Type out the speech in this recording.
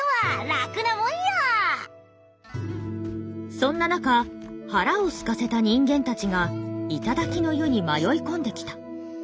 そんな中腹をすかせた人間たちが頂の世に迷い込んできた。